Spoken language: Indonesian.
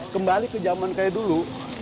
kembali ke zaman kayak dulu